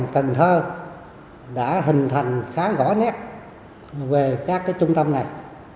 cần thơ đã hình thành khá rõ nét về các trung tâm này